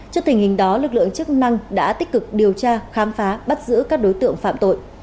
trước tình hình đó lực lượng chức năng đã tích cực điều tra khám phá bắt giữ các đối tượng phạm tội